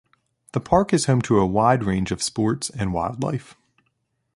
The park is home to a wide range of sports and wildlife.